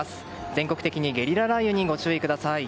全国的にゲリラ雷雨にご注意ください。